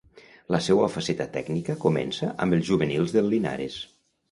La seua faceta tècnica comença amb els juvenils del Linares.